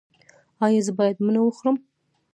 ایا زه باید مڼه وخورم؟